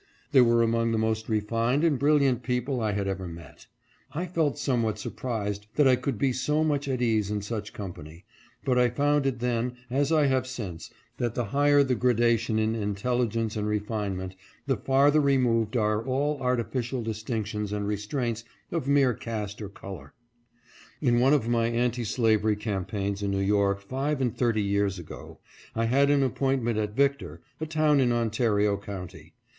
They were among the most refined and brilliant people I had ever met. I felt somewhat surprised that I could be so much at ease in such company, but I found it then, as I have since, that the higher the gradation in in (551) 552 CIVILIZATION IN JANESVILLE. telligence and refinement the farther removed are all artificial distinctions and restraints of mere caste or color. In one of my anti slavery campaigns in New York five and thirty years ago I had an appointment at Victor, a town in Ontario county.